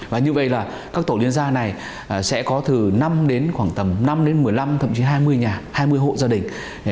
và như vậy là các tổ liên gia này sẽ có từ năm đến khoảng tầm năm đến một mươi năm thậm chí hai mươi nhà hai mươi hộ gia đình